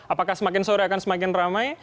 apakah semakin sore akan semakin ramai